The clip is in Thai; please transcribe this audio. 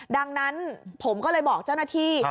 ดังนั้นผมก็เลยบอกเจ้าหน้าที่